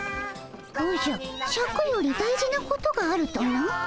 おじゃシャクより大事なことがあるとな？